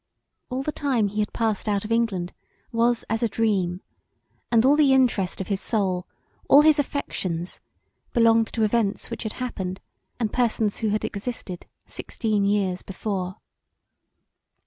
All the time he had passed out of England was as a dream, and all the interest of his soul[,] all his affections belonged to events which had happened and persons who had existed sixteen years before.